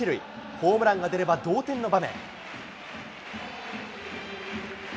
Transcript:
ホームランが出れば同点の場面。